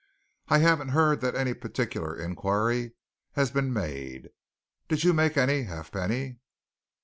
"I haven't heard that any particular inquiry has been made. Did you make any, Halfpenny?"